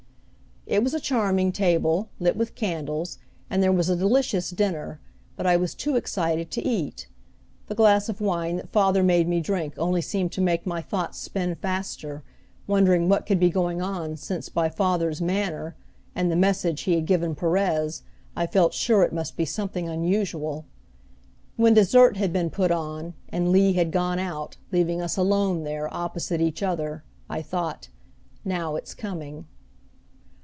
It was a charming table, lit with candles, and there was a delicious dinner, but I was too excited to eat. The glass of wine that father made me drink only seemed to make my thoughts spin faster, wondering what could be going on since by father's manner, and the message he had given Perez I felt sure it must be something unusual. When dessert had been put on, and Lee had gone out, leaving us alone there opposite each other, I thought, "Now it's coming."